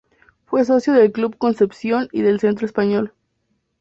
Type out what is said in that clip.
Fue socio del Club Concepción y del Centro Español.